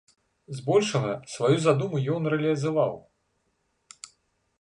Збольшага сваю задуму ён рэалізаваў.